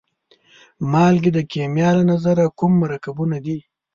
مالګې د کیمیا له نظره کوم مرکبونه دي؟